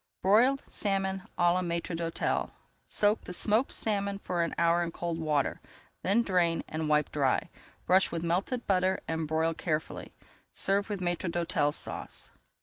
BROILED SALMON À LA MAÎTRE D'HÔTEL Soak the smoked salmon for an hour in cold water, then drain and wipe dry. Brush with melted butter and broil carefully. Serve with Maître d'Hôtel Sauce.